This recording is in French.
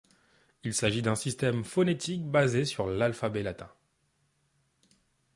Il s’agit d’un système phonétique basé sur l’alphabet latin.